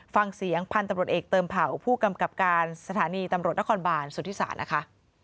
ฟังเสียงพันธุ์ตำรวจเอกเติมเผ่าผู้กำกับการสถานีตำรวจนครบานสุธิศาสตร์นะคะ